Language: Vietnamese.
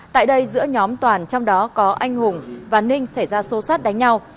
tại đây giữa nhóm toàn trong đó có anh hùng và ninh xảy ra xô xát đánh nhau